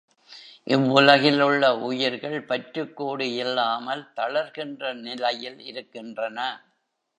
இவ்வுலகிலுள்ள உயிர்கள் பற்றுக்கோடு இல்லாமல் தளர்கின்ற நிலையில் இருக்கின்றன.